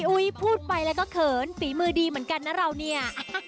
อุ๊ยพูดไปแล้วก็เขินฝีมือดีเหมือนกันนะเราเนี่ย